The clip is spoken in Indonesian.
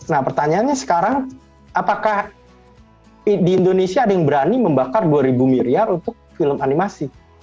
nah pertanyaannya sekarang apakah di indonesia ada yang berani membakar dua ribu miliar untuk film animasi